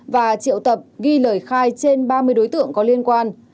và triệu tập ghi lời khai trên ba địa điểm